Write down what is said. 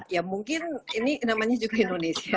ya mungkin ini namanya juga indonesia